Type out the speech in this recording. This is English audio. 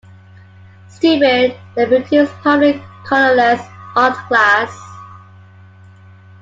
Steuben then produced primarily colorless art glass.